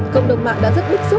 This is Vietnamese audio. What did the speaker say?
cộng đồng mạng đã rất đích xúc